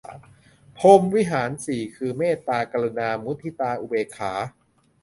พรหมวิหารสี่ คือ เมตตา กรุณา มุทิตา อุเบกขา